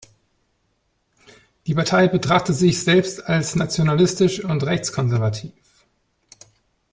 Die Partei betrachtet sich selbst als nationalistisch und rechtskonservativ.